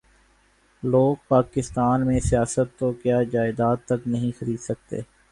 لوگ پاکستان میں سیاست تو کیا جائیداد تک نہیں خرید سکتے